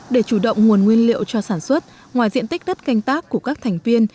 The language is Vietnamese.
để chủ động nguồn nguyên liệu cho sản xuất ngoài diện tích đất canh tác của các thành viên